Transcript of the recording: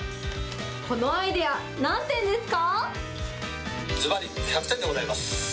このアイデア、何点ですか？